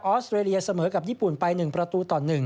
อสเตรเลียเสมอกับญี่ปุ่นไป๑ประตูต่อ๑